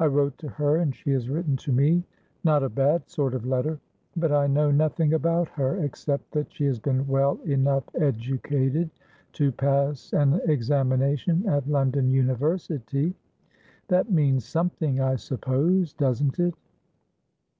I wrote to her, and she has written to menot a bad sort of letter; but I know nothing about her, except that she has been well enough educated to pass an examination at London University. That means something, I suppose, doesn't it?"